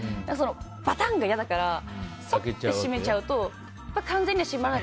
バタンが嫌だからそっと閉めちゃうと完全には閉まらない。